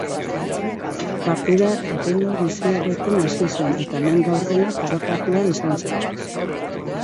Partida erritmo biziarekin hasi zen, eta lehen laurdena parekatua izan zen.